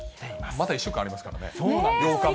まだ１週間ありますからね。